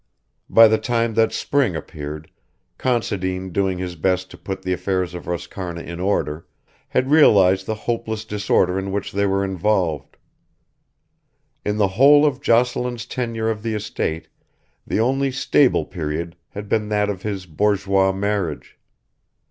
By the time that spring appeared, Considine doing his best to put the affairs of Roscarna in order, had realised the hopeless disorder in which they were involved. In the whole of Jocelyn's tenure of the estate the only stable period had been that of his bourgeois marriage.